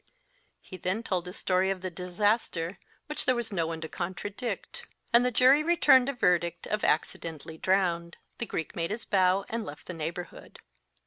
He then told his story of the disaster, which there was no one to contradict, and (? 275 the jury returned a verdict of Accidentally drowned. The Greek made his bow and left the neighbourhood.